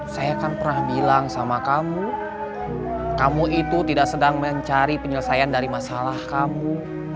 saya kan pernah bilang sama kamu kamu itu tidak sedang mencari penyelesaian dari masalah kamu